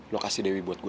lo kasih dewi buat gue